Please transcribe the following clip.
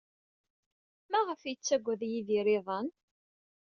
Maɣef ay yettaggad Yidir iḍan?